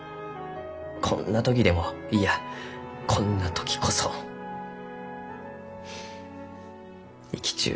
こんな時でもいやこんな時こそ生きちゅう